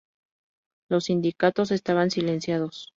Los sindicatos estaban silenciados.